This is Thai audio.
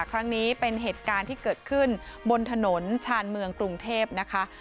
ครั้งนี้เป็นเหตุการณ์ที่เกิดขึ้นบนถนนชาญเมืองกรุงเทพนะคะ